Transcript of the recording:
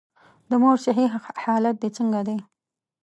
د مور صحي حالت دي څنګه دی؟